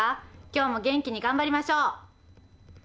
今日も元気に頑張りましょう。